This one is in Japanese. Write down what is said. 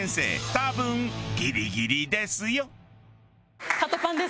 多分ギリギリですよ。